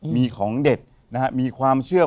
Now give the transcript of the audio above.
มีของเด็ดนะฮะมีความเชื่อ